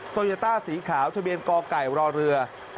โตโยต้าสีขาวทะเบียนกไก่รอเรือ